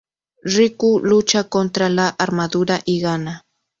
Riku lucha contra la armadura y gana.